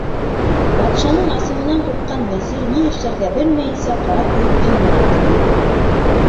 Батшаның асыуынан ҡурҡҡан вәзир, ни эшләргә белмәйенсә, ҡара көйөп өйөнә ҡайтып инә.